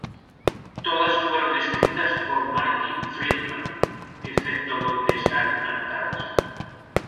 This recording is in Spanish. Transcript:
Todas fueron escritas por Marty Friedman, excepto donde están anotadas.